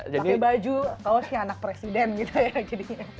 pakai baju kaosnya anak presiden gitu ya jadinya